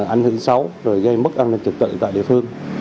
ảnh hưởng xấu rồi gây mất an ninh trực tự tại địa phương